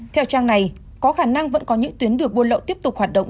theo trang này có khả năng vẫn có những tuyến đường buôn lậu tiếp tục hoạt động